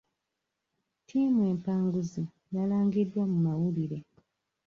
Ttiimu empanguzi yalangiddwa mu mawulire.